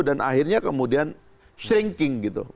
dan akhirnya kemudian shrinking gitu